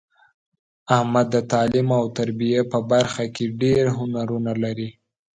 احمد د تعلیم او تربیې په برخه کې ډېر هنرونه لري.